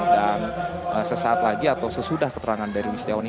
dan sesaat lagi atau sesudah keterangan dari rudy setiawan ini